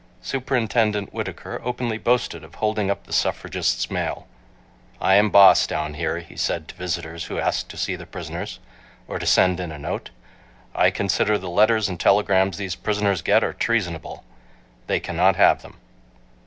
Superintendent Whittaker openly boasted of holding up the suffragists' mail: "I am boss down here," he said to visitors who asked to see the prisoners, or to send in a note. "I consider the letters and telegrams these prisoners get are treasonable. They cannot have them."